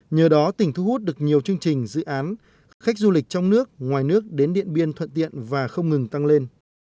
nhờ đó tỉnh thu hút được nhiều chương trình dự án khách du lịch trong nước ngoài nước đến điện biên thuận tiện và không ngừng tăng lên